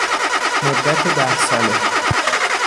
مدت ده ساله